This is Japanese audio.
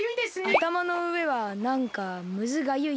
あたまのうえはなんかむずがゆい。